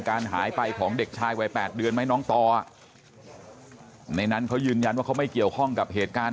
การหายไปของเด็กชายวัย๘เดือนไหมน้องต่อในนั้นเขายืนยันว่าเขาไม่เกี่ยวข้องกับเหตุการณ์